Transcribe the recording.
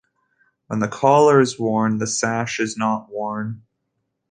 When the collar is worn the sash is not worn.